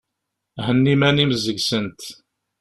Henni iman-im seg-sent!